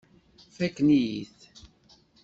Fakken-iyi-t.